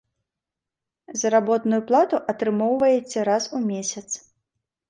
Заработную плату атрымоўваеце раз у месяц.